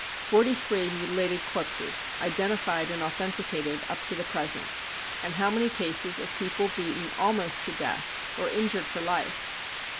Forty three mutilated corpses, identified and authenticated up to the present — and how many cases of people beaten almost to death or injured for life